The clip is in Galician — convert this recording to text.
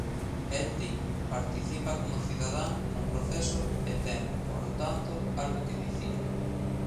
El, di, participa "como cidadán" no proceso e ten, polo tanto, "algo que dicir".